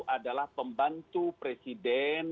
adalah pembantu presiden